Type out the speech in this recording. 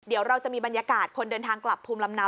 เดี๋ยวเราจะมีบรรยากาศคนเดินทางกลับภูมิลำเนา